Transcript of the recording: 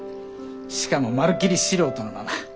しかもまるきり素人のまま。